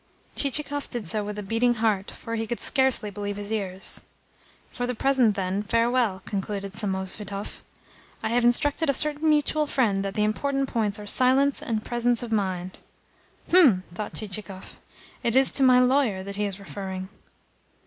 Chichikov did so with a beating heart, for he could scarcely believe his ears. "For the present, then, farewell," concluded Samosvitov. "I have instructed a certain mutual friend that the important points are silence and presence of mind." "Hm!" thought Chichikov. "It is to my lawyer that he is referring."